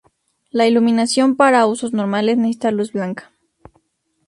La iluminación para usos normales necesita luz blanca.